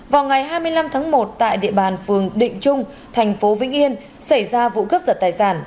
vào ngày hai mươi năm tháng một tại địa bàn phường định trung tp vinh yên xảy ra vụ cướp giật tài sản